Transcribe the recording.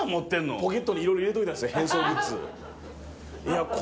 ポケットにいろいろ入れといたんですよ変装グッズ。